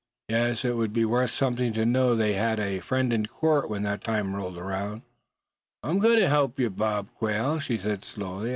Yes, it would be worth something to know that they had a friend in court when that time rolled around. "Yes, I'm agwine to help ye, Bob Quail," she said, slowly.